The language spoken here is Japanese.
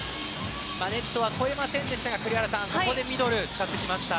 ネットは越えませんでしたがここでミドルを使ってきました。